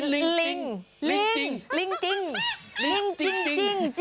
ลิงจริง